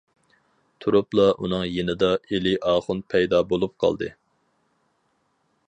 تۇرۇپلا ئۇنىڭ يېنىدا ئىلى ئاخۇن پەيدا بولۇپ قالدى.